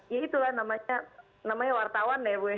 ya itulah namanya wartawan ya bu ya